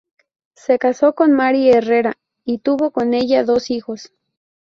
Se casó con Mary Herrera y tuvo con ella dos hijos.